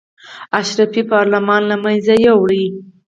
اشرافي پارلمان له منځه یې یووړ.